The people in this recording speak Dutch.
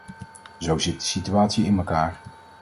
Zo zit de situatie in mekaar.